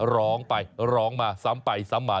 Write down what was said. ร้องไปร้องมาซ้ำไปซ้ำมา